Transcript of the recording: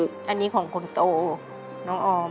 แล้วส่วนพอร์มนี่ของคนโตน้องออม